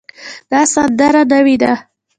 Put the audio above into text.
دا سندره نوې ده